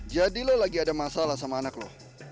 jadi lo lagi ada masalah sama anak lo